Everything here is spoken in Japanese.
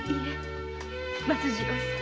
松次郎さん